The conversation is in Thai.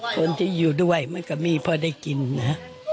คนที่อยู่ด้วยมันก็มีพอได้กินนะ